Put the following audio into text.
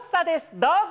どうぞ。